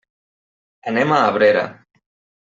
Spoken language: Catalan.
Anem a Abrera.